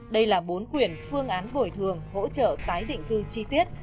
đây là bốn quyền phương án bồi thường hỗ trợ tái định cư chi tiết